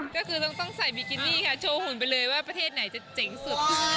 ก็คือต้องใส่บิกินี่ค่ะโชว์หุ่นไปเลยว่าประเทศไหนจะเจ๋งสุด